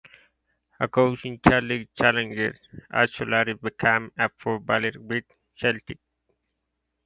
A cousin, Charlie Gallagher, also later became a footballer with Celtic.